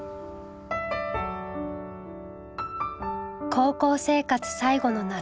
高校生活最後の夏。